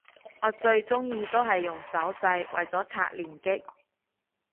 我最鍾意都係用手掣為咗刷連擊